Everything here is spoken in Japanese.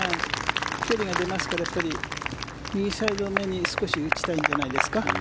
距離が出ますから右サイドめに少し打ちたいんじゃないですか。